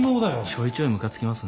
ちょいちょいムカつきますね。